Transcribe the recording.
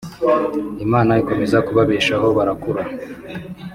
Imana ikomeza kubabeshaho barakura